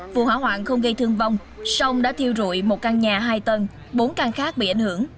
vụ hỏa hoạn không gây thương vong sông đã thiêu rụi một căn nhà hai tầng bốn căn khác bị ảnh hưởng